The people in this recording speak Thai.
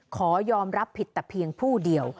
ขอยอมรับผิดแต่เพียงผู้เดียว